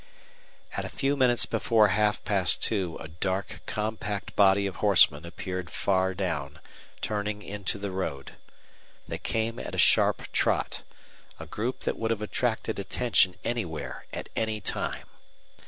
At a few minutes before half past two a dark, compact body of horsemen appeared far down, turning into the road. They came at a sharp trot a group that would have attracted attention anywhere at any time.